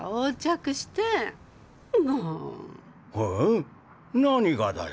何がだよ。